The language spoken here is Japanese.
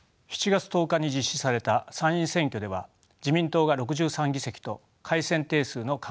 ７月１０日に実施された参院選挙では自民党が６３議席と改選定数の過半数を獲得しました。